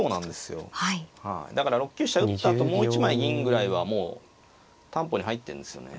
だから６九飛車打ったあともう一枚銀ぐらいはもう担保に入ってんですよね。